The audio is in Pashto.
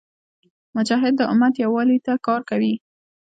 مجاهد د امت یووالي ته کار کوي.